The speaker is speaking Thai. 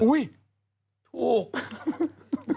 ถูก